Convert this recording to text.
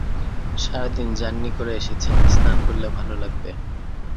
সারা দিন জার্নি করে এসেছেন, স্নান করলে ভালো লাগবে।